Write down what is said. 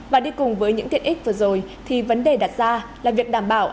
và đi cùng với những tiện ích vừa rồi thì vấn đề đặt ra là việc đảm bảo